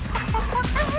tidak terlalu kuat